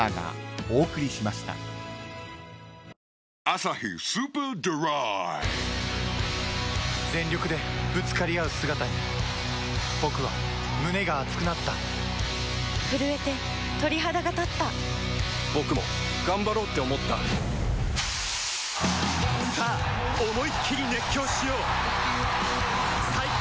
「アサヒスーパードライ」全力でぶつかり合う姿に僕は胸が熱くなった震えて鳥肌がたった僕も頑張ろうって思ったさあ思いっきり熱狂しよう最高の渇きにＤＲＹ